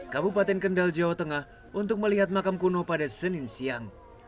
kabupaten kendal jawa tengah untuk melihat makam kuno pada senin siang